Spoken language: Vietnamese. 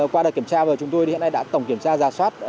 qua đợt kiểm tra vừa chúng tôi thì hiện nay đã tổng kiểm tra giả soát